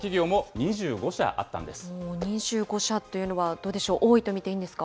２５社っていうのはどうでしょう、多いと見ていいんですか？